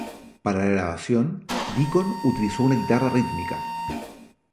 Para la grabación Deacon utilizó una guitarra rítmica.